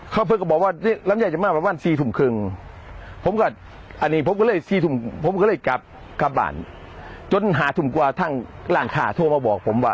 เขาเพิ่งก็บอกว่ารำใยจะมาประมาณสี่ถุงครึ่งผมก็อันนี้ผมก็เลยสี่ถุงผมก็เลยกับกับหลานจนหาถุงกว่าทางล่างขาโทรมาบอกผมว่า